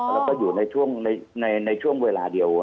แล้วก็อยู่ในช่วงเวลาเดียว